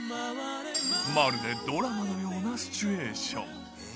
まるでドラマのようなシチュエーション。